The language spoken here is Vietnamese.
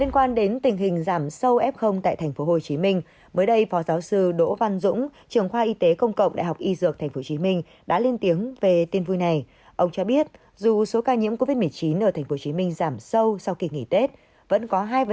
các bạn hãy đăng ký kênh để ủng hộ kênh của chúng mình nhé